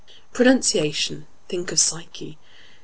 Pronunciation—think of psyche!